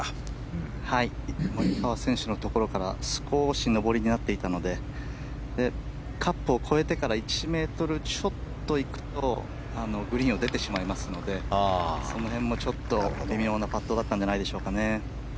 モリカワ選手のところから少し上りになっていたのでカップを越えてから１ｍちょっと行くとグリーンを出てしまいますのでその辺も微妙なパットだったんじゃないでしょうか。